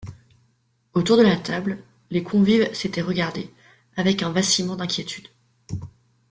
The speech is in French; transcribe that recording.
Autour de la table, les convives s’étaient regardés, avec un vacillement d’inquiétude.